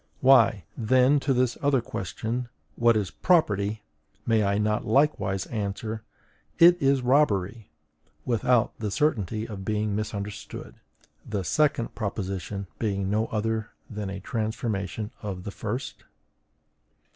Why, then, to this other question: WHAT IS PROPERTY! may I not likewise answer, IT IS ROBBERY, without the certainty of being misunderstood; the second proposition being no other than a transformation of the first?